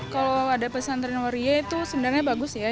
kalau ada pesantren waria itu sebenarnya bagus ya